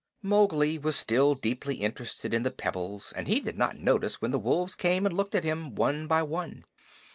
Mowgli was still deeply interested in the pebbles, and he did not notice when the wolves came and looked at him one by one.